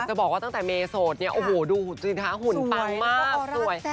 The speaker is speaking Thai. แต่จะบอกว่าตั้งแต่เมย์โสดเนี่ยโอ้โหดูจริงหุ่นปังมากสวย